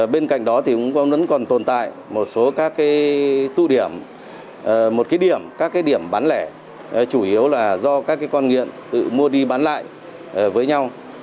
bên cạnh đó còn tồn tại một số các tụ điểm một cái điểm các cái điểm bán lẻ chủ yếu là do các con nghiện tự mua đi bán lại với nhau